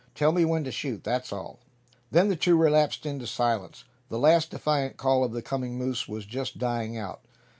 Tell me when to shoot, that's all." Then the two relapsed into silence. The last defiant call of the coming moose was just dying out.